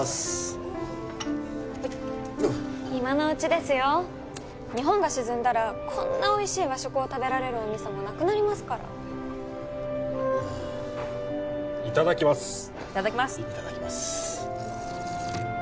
はい今のうちですよ日本が沈んだらこんなおいしい和食を食べられるお店もなくなりますからうんいただきますいただきますいただきます